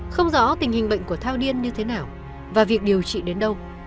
không rõ tình hình bệnh của thao điên như thế nào và việc điều trị đến đâu